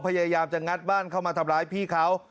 พยายามจะงัดบ้านเข้ามาทำร้ายพี่เขา